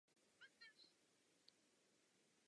Plodem jsou čtyři tvrdky.